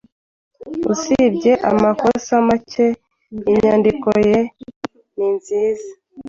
Usibye amakosa make, inyandiko yawe ni nziza.